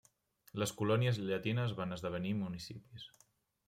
Les colònies llatines van esdevenir municipis.